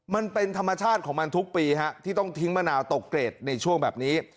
มันเป็นธรรมชาติของมันทุกปีฮะที่ต้องทิ้งมะนาวตกเกรดในช่วงแบบนี้